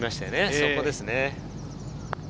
そこですよね。